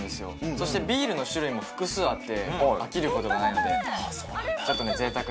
そしてビールの種類も複数あって飽きることがないのでだったりをね